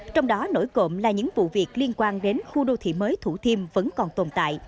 trong đó nổi cộm là những vụ việc liên quan đến khu đô thị mới thủ thiêm vẫn còn tồn tại